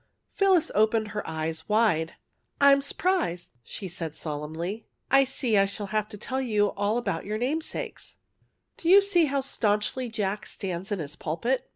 Phyllis opened her eyes wide. ^^ I'm s 'prised," she said, solemnly. ^^ I see I shall have to tell you all about your name sakes. ^' Do you see how staunchly Jack stands in his pulpit?